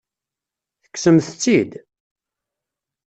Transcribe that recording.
Tekksemt-tt-id?